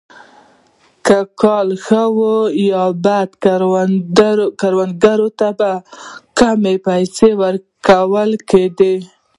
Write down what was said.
که کال ښه وو یا بد کروندګرو ته به کمې پیسې ورکول کېدې.